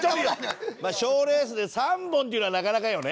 まあ賞レースで３本っていうのはなかなかよね。